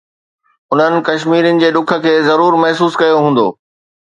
انهن ڪشميرين جي ڏک کي ضرور محسوس ڪيو هوندو